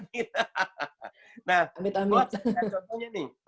buat saya lihat contohnya nih